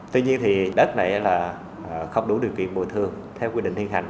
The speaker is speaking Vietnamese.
tuy nhiên thì đất này là không đủ điều kiện bồi thường theo quy định hiện hành